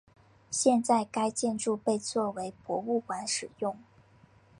现在该建筑被作为博物馆使用。